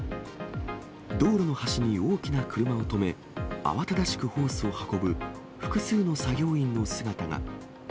道路の端に大きな車を止め、慌ただしくホースを運ぶ複数の作業員の姿が。